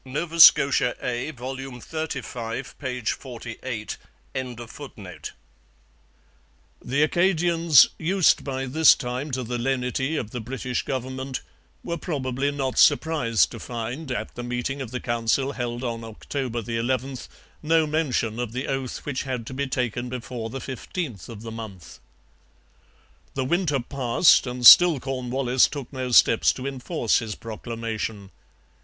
Nova Scotia A, vol. xxxv, p. 48.] The Acadians, used by this time to the lenity of the British government, were probably not surprised to find, at the meeting of the Council held on October 11, no mention of the oath which had to be taken before the 15th of the month. The winter passed, and still Cornwallis took no steps to enforce his proclamation.